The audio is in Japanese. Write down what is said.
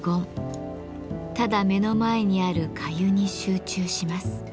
ただ目の前にある粥に集中します。